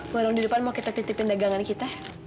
warung di depan mau kita titipin dagangan kita